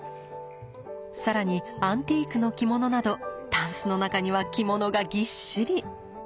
更にアンティークの着物などタンスの中には着物がぎっしり。